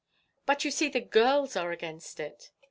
"But you see the girls are against it."